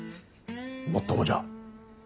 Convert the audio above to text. もっともじゃ。